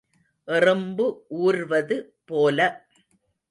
எறும்பு ஊர்வது போல.